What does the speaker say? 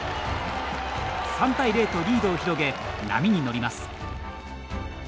３対０とリードを広げ波に乗ります。